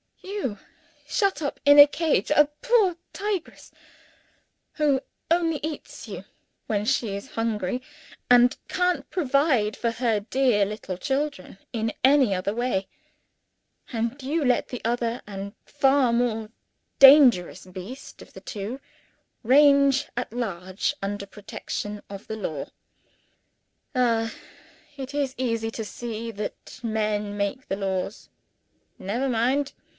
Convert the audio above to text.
You shut up in a cage a poor tigress, who only eats you when she is hungry, and can't provide for her dear little children in any other way and you let the other and far more dangerous beast of the two range at large under protection of the law! Ah, it is easy to see that the men make the laws. Never mind.